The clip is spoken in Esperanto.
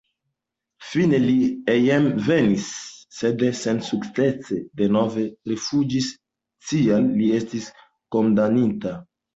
Fine li hejmenvenis, sed sensukcese denove rifuĝis, tial li estis kondamnita.